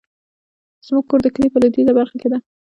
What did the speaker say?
زمونږ کور د کلي په لويديځه برخه کې ده